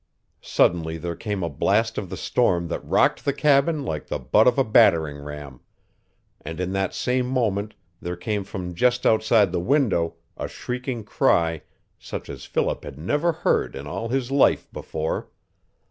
Suddenly there came a blast of the storm that rocked the cabin like the butt of a battering ram, and in that same moment there came from just outside the window a shrieking cry such as Philip had never heard in all his life before.